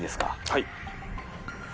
はい。